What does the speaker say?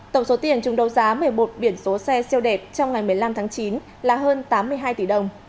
tổng số tiền chúng đấu giá một mươi một biển số xe siêu đẹp trong ngày một mươi năm tháng chín là hơn tám mươi hai tỷ đồng